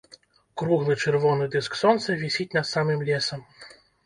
Круглы чырвоны дыск сонца вісіць над самым лесам.